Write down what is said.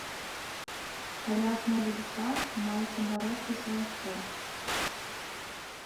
Каля асновы ліста маецца бародка з валаскоў.